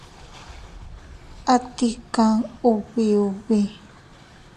A tikan ubi ubi.